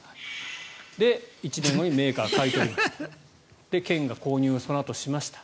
１年後にメーカーが買い取りました。